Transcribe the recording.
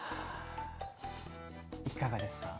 いかがですか？